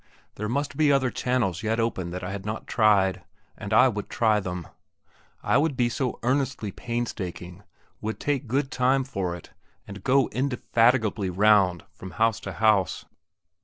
There must be other channels yet open that I had not tried, and I would try them. I would be so earnestly painstaking; would take good time for it, and go indefatigably round from house to house.